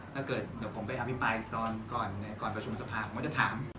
ถ้าเกิดผมไปอภิปรายก่อนประชุมสภาคผมก็จะถาม